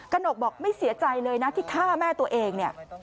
หนกบอกไม่เสียใจเลยนะที่ฆ่าแม่ตัวเองเนี่ย